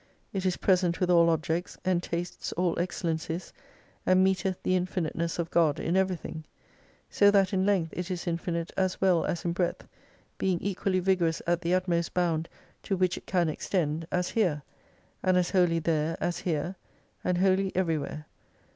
It is present with all objects, and tastes all excellencies, and meeteth the infiniteness of God in everything. So that in length it is infinite as well as in breadth, being equally vigorous at the utmost bound to which it can extend as here, and as wholly there as here, and wholly every where.